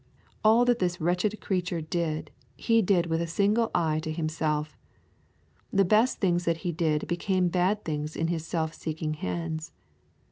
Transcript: All that this wretched creature did, he did with a single eye to himself. The best things that he did became bad things in his self seeking hands.